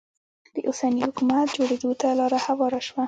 د اوسني حکومت جوړېدو ته لاره هواره شوه.